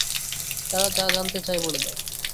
তারা যা জানতে চায় বলে দাও।